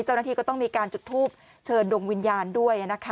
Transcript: เจ้าหน้าที่ก็ต้องมีการจุดทูปเชิญดวงวิญญาณด้วยนะคะ